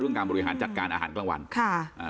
การบริหารจัดการอาหารกลางวันค่ะอ่า